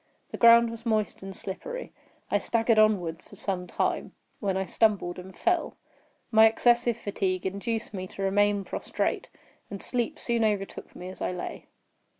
The ground was moist and slippery. I staggered onward for some time, when I stumbled and fell. My excessive fatigue induced me to remain prostrate; and sleep soon overtook me as I lay.